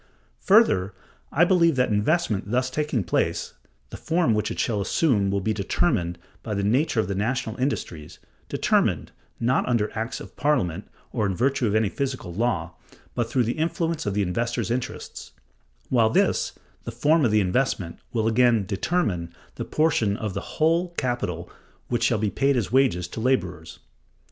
Further, I believe that, investment thus taking place, the form which it shall assume will be 'determined' by the nature of the national industries—'determined,' not under acts of Parliament, or in virtue of any physical law, but through the influence of the investor's interests; while this, the form of the investment, will again 'determine' the proportion of the whole capital which shall be paid as wages to laborers."